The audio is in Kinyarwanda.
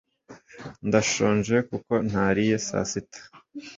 Ndashonje kuko ntariye saa sita